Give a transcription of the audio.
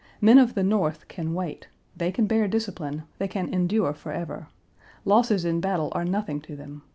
Men of the North can wait; they can bear discipline; they can endure forever. Losses in battle are nothing to them.